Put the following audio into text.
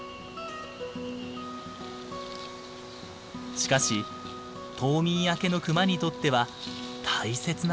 しかし冬眠明けのクマにとっては大切な食料です。